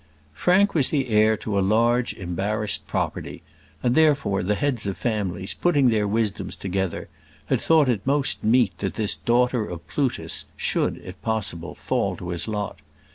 Frank was the heir to a large embarrassed property; and, therefore, the heads of families, putting their wisdoms together, had thought it most meet that this daughter of Plutus should, if possible, fall to his lot.